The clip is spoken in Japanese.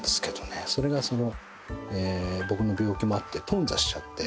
それがそのえ僕の病気もあって頓挫しちゃって。